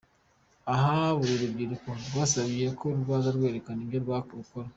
Aha buri rubyiruko twasabye ko rwaza kwerekana ibyo rukora.